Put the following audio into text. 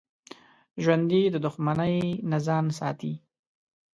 ژوندي د دښمنۍ نه ځان ساتي